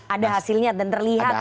ada hasilnya dan terlihat begitu ya